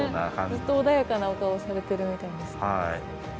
ずっと穏やかなお顔をされてるみたいで好きなんですけど。